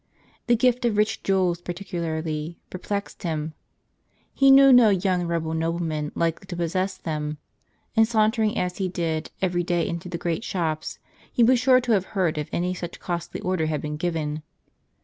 The gift of rich jewels particularly _ perplexed him. He knew no young Roman nobleman likely to possess them ; and sauntering, as he did, every day into the great shops, he was sure to have heard if any such costly order had been given.